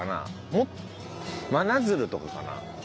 もっと真鶴とかかな？